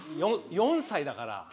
４歳だから。